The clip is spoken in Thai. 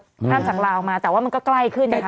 ข้ามจากลาวมาแต่ว่ามันก็ใกล้ขึ้นนะคะ